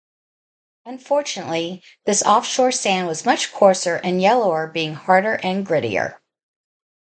Unfortunately this off shore sand was much coarser and yellower being harder and grittier.